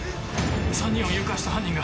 ３人を誘拐した犯人が。